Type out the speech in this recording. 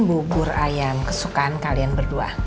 bubur ayam kesukaan kalian berdua